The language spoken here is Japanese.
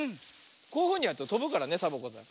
こういうふうにやるととぶからねサボ子さん。